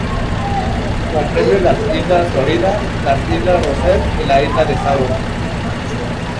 Comprende las Islas Florida, las Islas Russell y la Isla de Savo.